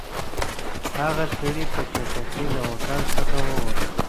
هغه سړی په چټکۍ له هوټل څخه ووت.